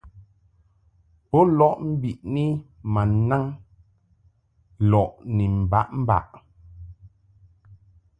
Bo lɔʼ mbiʼni ma naŋ lɔʼ ni mbaʼmbaʼ.